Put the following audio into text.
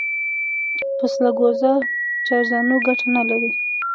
پسله گوزه چارزانو گټه نه لري.